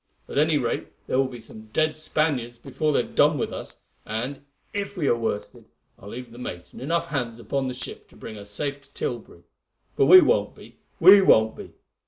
At any rate, there will be some dead Spaniards before they have done with us, and, if we are worsted, I'll leave the mate and enough hands upon the ship to bring her safe to Tilbury. But we won't be—we won't be.